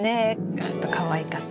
ちょっとかわいかった。